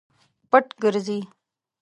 پټ ګرځي.